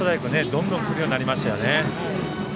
どんどん振るようになりましたね。